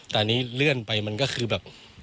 แต่อันนี้เลื่อนไปมันก็คือแบบ